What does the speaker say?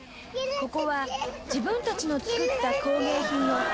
ここは自分たちの作った工芸品を。